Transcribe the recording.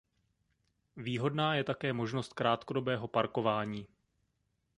Výhodná je také možnost krátkodobého parkování.